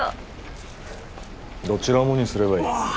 どちらもにすればいい。